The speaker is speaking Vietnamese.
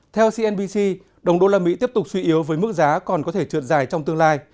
theo cnbc đồng đô la mỹ tiếp tục suy yếu với mức giá còn có thể trượt dài trong tương lai